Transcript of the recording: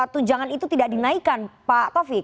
tunjangan itu tidak dinaikkan pak taufik